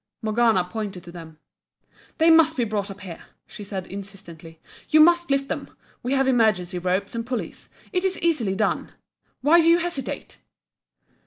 Morgana pointed to them. "They must be brought up here!" she said, insistently "You must lift them! We have emergency ropes and pulleys it is easily done! Why do you hesitate?"